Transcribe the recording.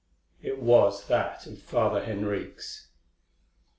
It was that of Father Henriques.